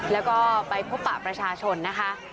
แล้วก็ไปพบปะประชาชนนะคะ